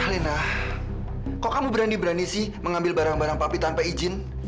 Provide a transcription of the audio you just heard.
nah kok kamu berani berani sih mengambil barang barang papi tanpa izin